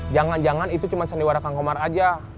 jangan jangan itu cuma sandiwara kang komar aja